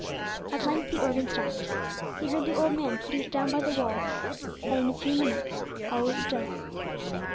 At length the organ stopped; he heard the old man putting it down by the wall, and in a few minutes all was still.